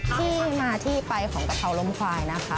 ที่มาที่ไปของกะเพราล้มควายนะคะ